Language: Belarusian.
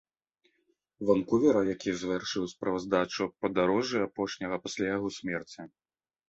Ванкувера, які завяршыў справаздачу аб падарожжы апошняга пасля яго смерці.